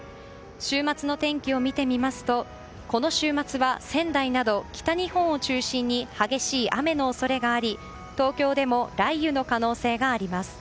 週末の天気を見てみますとこの週末は仙台など北日本を中心に激しい雨の恐れがあり、東京でも雷雨の可能性があります。